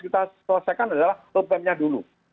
kita selesaikan adalah roadmap nya dulu